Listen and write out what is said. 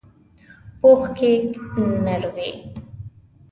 پوخ کیک نر وي